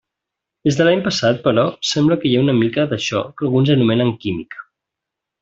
Des de l'any passat, però, sembla que hi ha una mica d'això que alguns anomenen «química».